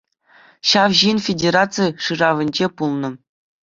Ҫав ҫын федераци шыравӗнче пулнӑ.